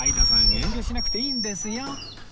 遠慮しなくていいんですよ